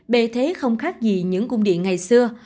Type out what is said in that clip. bề thế không khác gì những cung điện ngày xưa